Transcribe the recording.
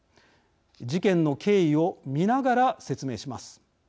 事件の経緯を見ながら説明します。